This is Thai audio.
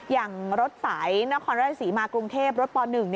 อย่างรถสายนครราชศรีมากรุงเทพรถป๑